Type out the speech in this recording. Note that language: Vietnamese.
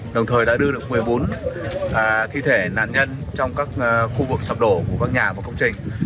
đồng thời đã đưa được một mươi bốn thi thể nạn nhân trong các khu vực sập đổ của các nhà và công trình